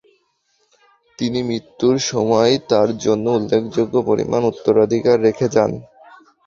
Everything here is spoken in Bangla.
তিনি মৃত্যুর সময় তার জন্য উল্লেখযোগ্য পরিমান উত্তরাধিকার রেখে যান।